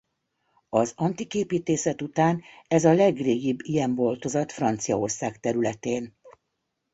Az antik építészet után ez a legrégibb ilyen boltozat Franciaország területén.